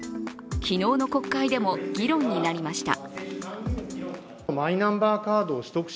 昨日の国会でも議論になりました。